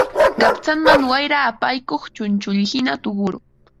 Qapsanman wayra apaykuq chunchullhina tuquru